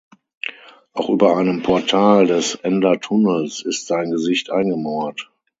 Auch über einem Portal des Ender Tunnels ist sein Gesicht eingemauert.